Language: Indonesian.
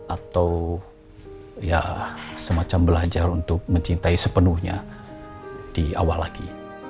atau ya semacam belajar untuk mencintai sepenuhnya di awal lagi